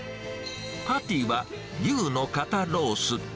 パティは、牛の肩ロース。